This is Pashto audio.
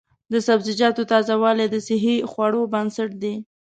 د سبزیجاتو تازه والي د صحي خوړو بنسټ دی.